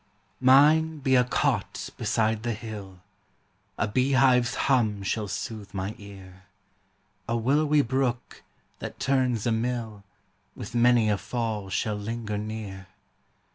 Mine be a cot beside the hill, A bee hive's hum shall sooth my ear; A willowy brook, that turns a mill, With many a fall shall linger near.